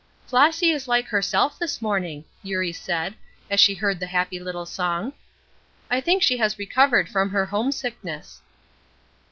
"Flossy is like herself this morning," Eurie said, as she heard the happy little song. "I think she has recovered from her home sickness."